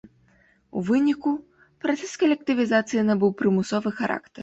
У выніку, працэс калектывізацыі набыў прымусовы характар.